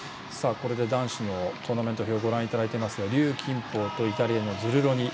これで男子のトーナメント表ご覧いただいていますが龍金宝とイタリアのズルロニ。